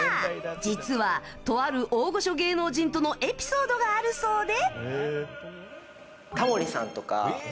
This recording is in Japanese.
実は、とある大御所芸能人とのエピソードがあるそうで。